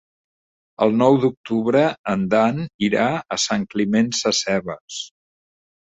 El nou d'octubre en Dan irà a Sant Climent Sescebes.